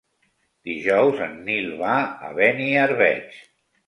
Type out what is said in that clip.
Dijous en Nil va a Beniarbeig.